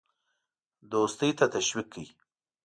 دوستی ته تشویق کړ.